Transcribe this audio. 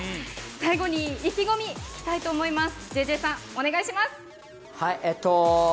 最後に意気込み、聞きたいと思います。